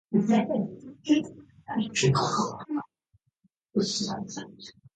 ガラスの内側は真っ暗、明かりは一切ついていない